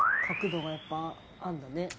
角度がやっぱあるんだね。